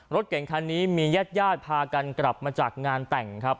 รถเก่งคันนี้มีญาติญาติพากันกลับมาจากงานแต่งครับ